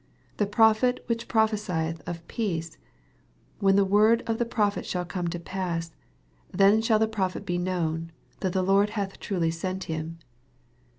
The prophet which prophe sieth of peace, when the word of the prophet shall come to pass, then shall the prophet be known, that the Lord hath truly sent him."